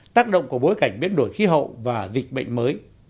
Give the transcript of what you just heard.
tác động của bối cảnh biến đổi khí hậu và dịch bệnh mới